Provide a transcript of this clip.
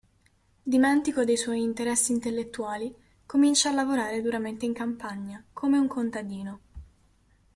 Dimentico dei suoi interessi intellettuali, comincia a lavorare duramente in campagna, come un contadino.